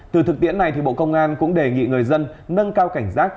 từ thực tiễn này bộ công an cũng đề nghị người dân nâng cao cảnh giác